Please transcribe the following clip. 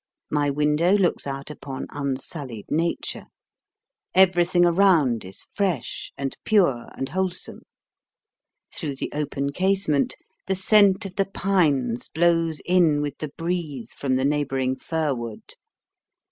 My window looks out upon unsullied nature. Everything around is fresh and pure and wholesome. Through the open casement, the scent of the pines blows in with the breeze from the neighbouring firwood.